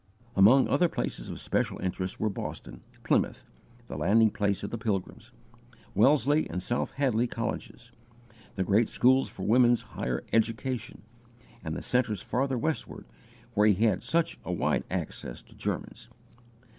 Among other places of special interest were Boston, Plymouth the landing place of the Pilgrims, Wellesley and South Hadley colleges the great schools for woman's higher education, and the centres farther westward, where he had such wide access to Germans.